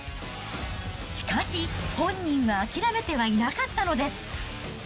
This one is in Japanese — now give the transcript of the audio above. しかし、本人は諦めてはいなかったのです。